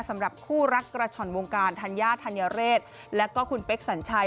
สำหรับคู่รักกระฉ่อนวงการธัญญาธัญเรศแล้วก็คุณเป๊กสัญชัย